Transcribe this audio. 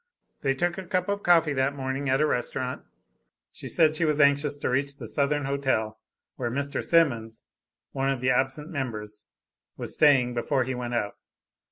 They took a cup of coffee that morning at a restaurant. She said she was anxious to reach the Southern Hotel where Mr. Simons, one of the absent members, was staying, before he went out.